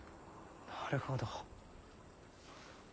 なるほど。